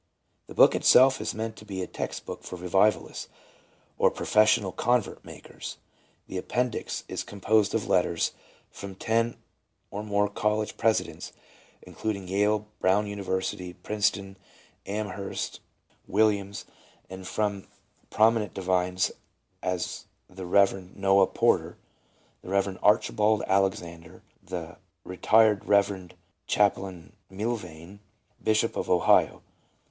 The book itself is meant to be a text book for Revivalists, or professional convert makers. The Appendix is composed of letters from ten or more college presi dents, including Yale, Brown University, Princeton, Amherst, Wil liams; and from prominent divines, as the Rev. Noah Porter, the Rev. Archibald Alexander, the Rt. Rev. Ch. M'llvaine, Bishop of Ohio.